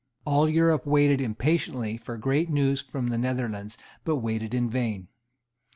All Europe waited impatiently for great news from the Netherlands, but waited in vain.